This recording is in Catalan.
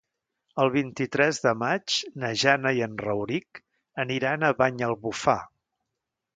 El vint-i-tres de maig na Jana i en Rauric aniran a Banyalbufar.